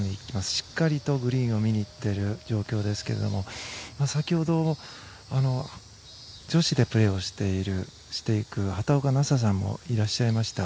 しっかりとグリーンを見に行っている状況ですけど先ほど、女子でプレーをしていく畑岡奈紗さんもいらっしゃいました。